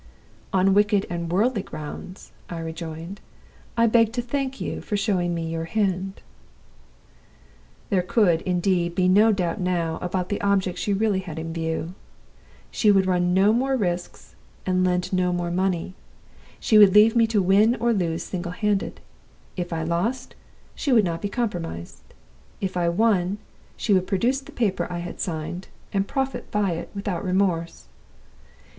"'On wicked and worldly grounds,' I rejoined, 'I beg to thank you for showing me your hand.' "There could, indeed, be no doubt now about the object she really had in view. She would run no more risks and lend no more money; she would leave me to win or lose single handed. If I lost, she would not be compromised. If I won, she would produce the paper I had signed, and profit by it without remorse.